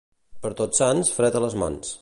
Per Tots Sants, fred a les mans.